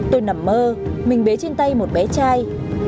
tôi nằm mơ mình bế trên tay một bé trai